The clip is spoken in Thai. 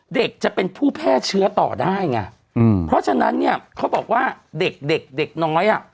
เด็กจะเป็นผู้แพทย์เชื้อต่อได้เพราะฉะนั้นเขาบอกว่าเด็กเด็กน้อย